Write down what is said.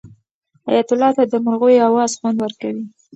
حیات الله ته د مرغیو اواز خوند ورکوي.